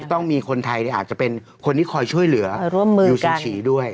ต้องมีคนไทยเนี้ยอาจจะเป็นคนที่คอยช่วยเหลืออ่าร่วมมือกันอยู่ชิงฉีด้วย